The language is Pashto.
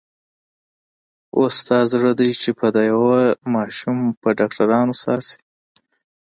اوس ستا زړه دی چې په دا يوه ماشوم په ډاکټرانو سر شې.